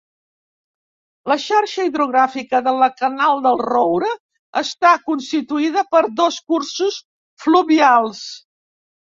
La xarxa hidrogràfica de la Canal del Roure està constituïda per dos cursos fluvials.